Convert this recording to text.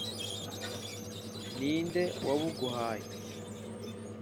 Ni nde wabuguhaye?